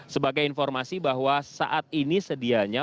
sebagai informasi bahwa saat ini sedianya